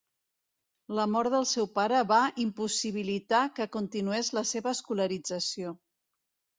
La mort del seu pare va impossibilitar que continués la seva escolarització.